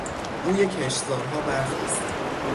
روی کشتزارها برف است.